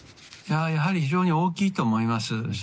やはり非常に大きいと思います。